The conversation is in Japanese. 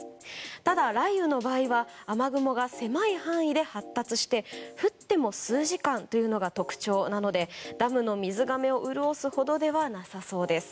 ただ、雷雨の場合は雨雲が狭い範囲で発達して降っても数時間というのが特徴なのでダムの水がめを潤すほどではなさそうです。